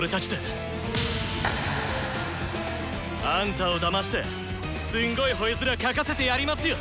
アンタをだましてすんごいほえ面かかせてやりますよ。